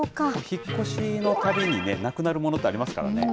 引っ越しのたびになくなるものってありますからね。